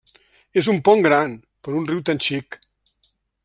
És un pont gran, per un riu tan xic.